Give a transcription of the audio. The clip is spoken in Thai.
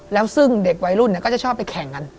แล้วซึ่งเด็กวัยรุ่นก็จะชอบไปแข่งกัน